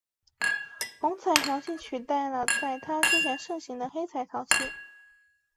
红彩陶器取代了在它之前盛行的黑彩陶器。